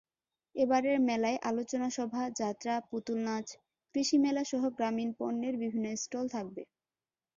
এবারের মেলায় আলোচনা সভা, যাত্রা, পুতুলনাচ, কৃষিমেলাসহ গ্রামীণ পণ্যের বিভিন্ন স্টল থাকবে।